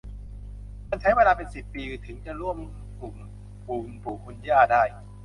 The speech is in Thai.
มันใช้เวลาเป็นสิบปีถึงจะร่วมกลุ่มคุณปู่คุณย่าได้